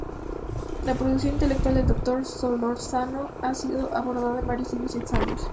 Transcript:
La producción intelectual del Dr. Solórzano ha sido abordada en varios libros y ensayos.